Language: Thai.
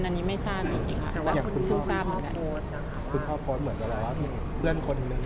จริงไม่มีเฟซบุ๊คคุณพ่อมึงก็เลยไม่รู้จริง